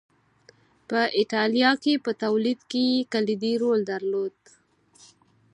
په اېټالیا کې په تولید کې یې کلیدي رول درلود